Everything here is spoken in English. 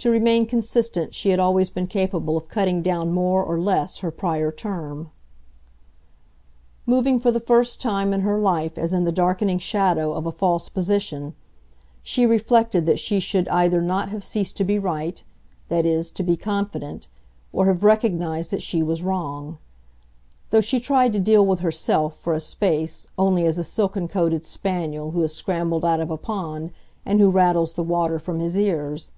To remain consistent she had always been capable of cutting down more or less her prior term. Moving for the first time in her life as in the darkening shadow of a false position, she reflected that she should either not have ceased to be right that is, to be confident or have recognised that she was wrong; though she tried to deal with herself, for a space, only as a silken coated spaniel who has scrambled out of a pond and who rattles the water from his ears.